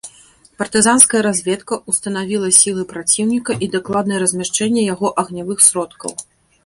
Партызанская разведка ўстанавіла сілы праціўніка і дакладнае размяшчэнне яго агнявых сродкаў.